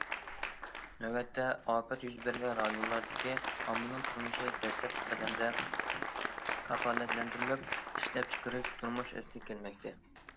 نۆۋەتتە ئاپەت يۈز بەرگەن رايونلاردىكى ئاممىنىڭ تۇرمۇشى دەسلەپكى قەدەمدە كاپالەتلەندۈرۈلۈپ، ئىشلەپچىقىرىش، تۇرمۇش ئەسلىگە كەلمەكتە.